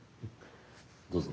どうぞ。